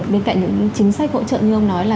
bên cạnh những chính sách hỗ trợ như ông nói là